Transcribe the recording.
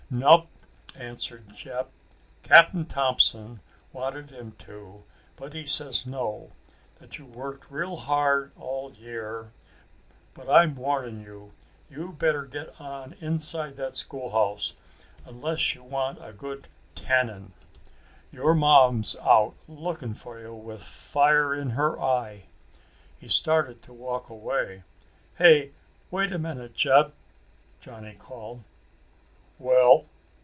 "Nup," answered Jeb. "Cap'n Thompson wanted him to, but he says no, that you worked real hard all year. But I'm warning you. You better get on inside that school house, unless you want a good tannin'. Your ma's out lookin' for you with fire in her eye." He started to walk away. "Hey, wait a minute Jeb," Johnny called. "Well?"